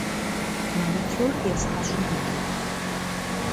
Manikür yêzğeş'ınut.